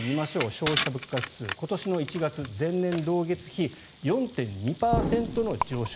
消費者物価指数、今年の１月前年同月比４．２％の上昇。